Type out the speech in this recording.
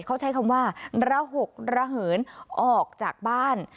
เขาใช้คำว่าระหกระเหินออกจากบ้าน